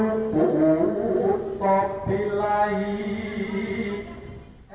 kepada yang maha kuasa